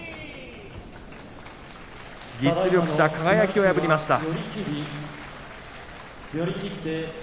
実力者、輝を破りました。